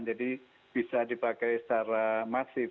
jadi bisa dipakai secara masif